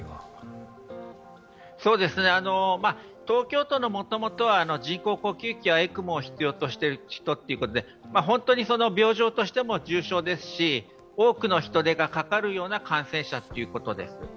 東京都のもともとは人工呼吸器やＥＣＭＯを必要としている人ということで、病状としても重症ですし多くの人手がかかるような感染者ということです。